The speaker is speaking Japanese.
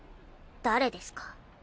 誰ですか？